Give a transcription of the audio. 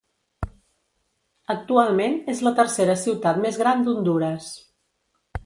Actualment és la tercera ciutat més gran d'Hondures.